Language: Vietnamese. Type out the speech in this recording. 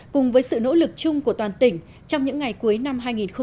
cùng với sự nỗ lực chung của toàn tỉnh trong những ngày cuối năm hai nghìn một mươi chín